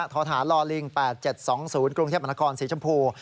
ทศาลอลิง๘๗๒๐กรุงเทพมศิษย์ชมพู